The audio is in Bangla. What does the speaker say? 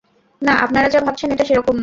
না, আপনারা যা ভাবছেন এটা সেরকম না।